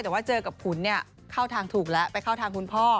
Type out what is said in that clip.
แต่ว่าเจอกับขุนเนี่ยเข้าทางถูกแล้วไปเข้าทางคุณพ่อ